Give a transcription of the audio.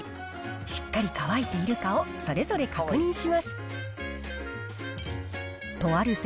しっかり乾いているかをそれぞれ確認します。